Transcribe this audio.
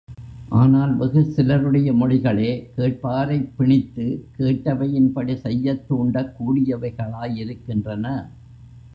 ஆனால் வெகு சிலருடைய மொழிகளே, கேட்பாரைப் பிணித்து, கேட்டவையின்படி செய்யத் தூண்டக் கூடியவைகளாயிருக்கின்றன.